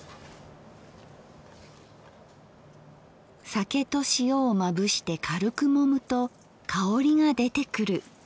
酒と塩をまぶして軽くもむと香りが出てくる。